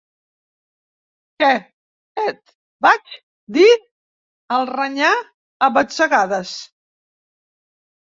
Què, et, vaig, dir? –el renyà a batzegades.